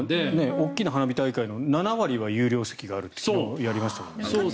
大きな花火大会の７割は有料席があるって昨日やりましたよね。